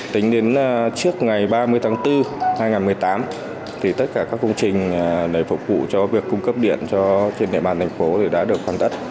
tính đến trước ngày ba mươi tháng bốn hai nghìn một mươi tám tất cả các công trình để phục vụ cho việc cung cấp điện cho trên địa bàn thành phố đã được hoàn tất